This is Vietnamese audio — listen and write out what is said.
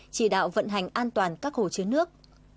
chỉ đạo vận hành an toàn các hồ chứa nước